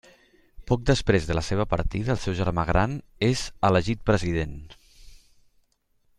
Poc després de la seva partida, el seu germà gran és elegit president.